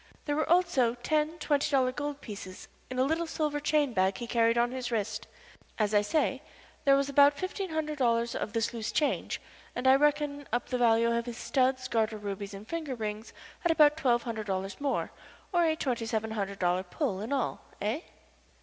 There were also ten twenty dollar gold pieces in a little silver chain bag he carried on his wrist. As I say, there was about fifteen hundred dollars of this loose change, and I reckon up the value of his studs, garter rubies, and finger rings at about twelve hundred dollars more, or a twenty seven hundred dollars pull in all. Eh?"